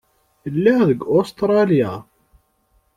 Lliɣ deg Ustṛalya.